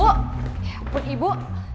ya ampun ibu